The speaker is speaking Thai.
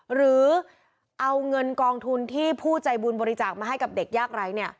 หรือเอาเงินกองทุนที่ผู้ใจบุญบริจาคมาให้กับเด็กยากไร้